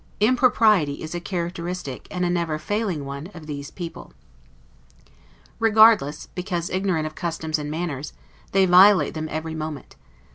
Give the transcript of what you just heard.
Impropriety is a characteristic, and a never failing one, of these people. Regardless, because ignorant, of customs and manners, they violate them every moment.